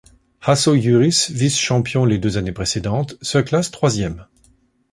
Hasso Jüris, vice-champion les deux années précédentes, se classe troisième.